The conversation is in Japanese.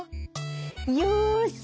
よし！